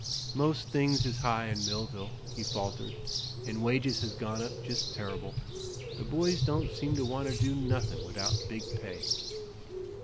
"Most things is high in Millville," he faltered, "an' wages has gone up jest terr'ble. The boys don't seem to wanter do nuthin' without big pay."